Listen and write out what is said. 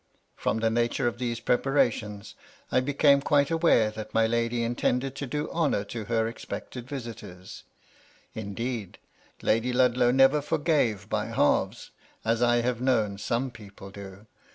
From the nature of these preparations, I became quite aware that my lady intended to do honour to her expected visitors. Indeed Lady Ludlow never forgave by halves, as I have known some people do.